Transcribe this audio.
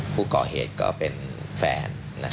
ผู้ก่อเหตุก็เป็นแฟน